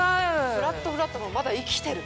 フラットフラットの方はまだ生きてる。